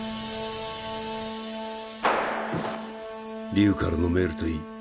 リュウからのメールといい